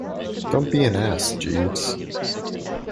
Don't be an ass, Jeeves.